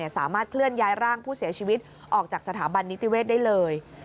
สามารถเคลื่อนย้ายร่างผู้เสียชีวิตออกจากสถาบันนิติเวศได้เลย